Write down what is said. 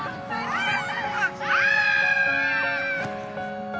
あっ！